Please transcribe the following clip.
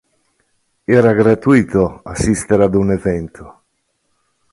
Era gratuito assistere ad un evento.